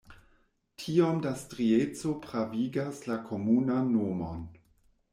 Tiom da strieco pravigas la komunan nomon.